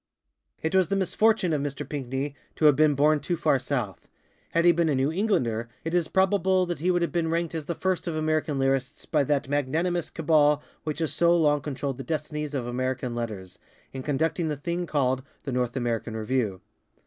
It was the misfortune of Mr. Pinckney to have been born too far south. Had he been a New Englander, it is probable that he would have been ranked as the first of American lyrists by that magnanimous cabal which has so long controlled the destinies of American Letters, in conducting the thing called ŌĆ£The North American Review.